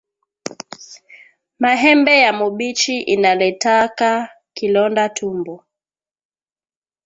Mahembe ya mubichi inaletaka kilonda tumbo